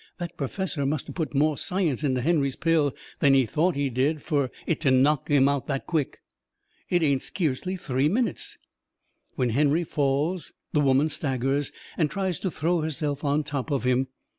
"That perfessor must of put more science into Henry's pill than he thought he did fur it to of knocked him out this quick. It ain't skeercly three minutes." When Henry falls the woman staggers and tries to throw herself on top of him.